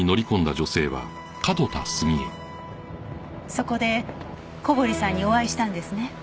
そこで小堀さんにお会いしたんですね。